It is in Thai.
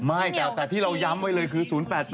ไม่แต่ที่เราย้ำไว้เลยคือ๐๘๘